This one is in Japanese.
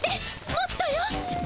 もっとよ。